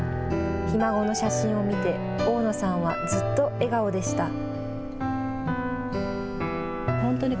ひ孫の写真を見て、大野さんはずっと笑顔でした。